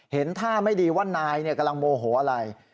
เห็นท่าไม่ดีว่านายกำลังโมโหอะไร